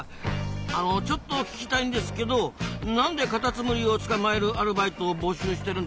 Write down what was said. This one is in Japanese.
あのちょっと聞きたいんですけどなんでカタツムリを捕まえるアルバイトを募集してるんですか？